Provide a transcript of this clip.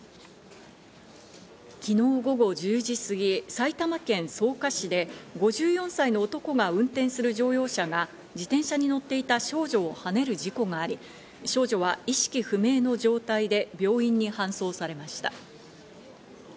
昨日午後１０時過ぎ、埼玉県草加市で５４歳の男が運転する乗用車が自転車に乗っていた少女をはねる事故があり、少女は意識不明の状態で病院に搬送されました。